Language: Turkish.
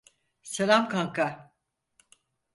Selam kanka.